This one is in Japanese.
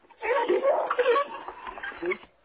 よし。